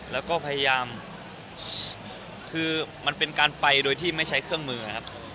แล้วก็พยายามคือมันเป็นการไปโดยที่ไม่ใช้เครื่องมือนะครับ